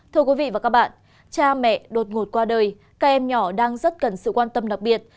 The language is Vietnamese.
thưa quý vị và các bạn cha mẹ đột ngột qua đời các em nhỏ đang rất cần sự quan tâm đặc biệt